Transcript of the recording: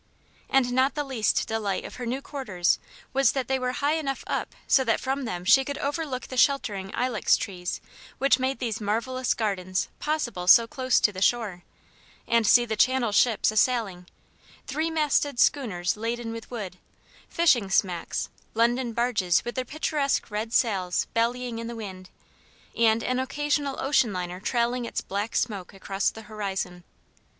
And not the least delight of her new quarters was that they were high enough up so that from them she could overlook the sheltering Ilex trees which made these marvellous gardens possible so close to the shore, and see the Channel ships a sailing three masted schooners laden with wood; fishing smacks; London barges with their picturesque red sails bellying in the wind; and an occasional ocean liner trailing its black smoke across the horizon.